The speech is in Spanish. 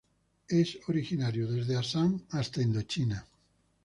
Es originario de Assam hasta Indochina.